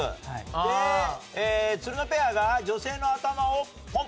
でつるのペアが女性の頭をポンポンする。